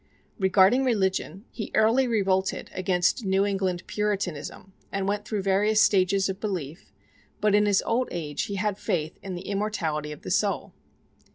Regarding religion, he early revolted against New England Puritanism and went through various stages of belief; but in his old age he had faith in the immortality of the soul.